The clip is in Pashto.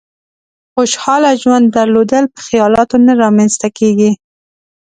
خوشحاله ژوند درلودل په خيالاتو نه رامېنځ ته کېږي.